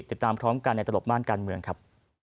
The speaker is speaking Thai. ติดตามพร้อมกันในตลบม่านการเมืองครับ